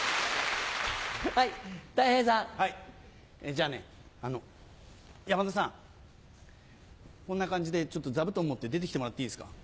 じゃあね山田さんこんな感じで座布団持って出てきてもらっていいですか？